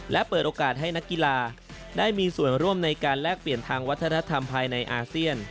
และเปิดโอกาสให้นักกีฬาได้มีส่วนร่วมในการแลกเปลี่ยนทางวัฒนธรรมภายในอาเซียน